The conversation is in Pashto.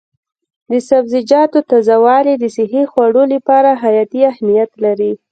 د سبزیجاتو تازه والي د صحي خوړو لپاره حیاتي اهمیت لري.